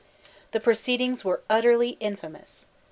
The proceedings were utterly infamous.